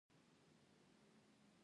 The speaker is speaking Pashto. د فرخي له دغه بیت څخه ښکاري،